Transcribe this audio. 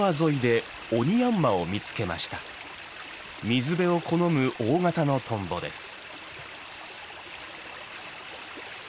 水辺を好む大型のトンボです。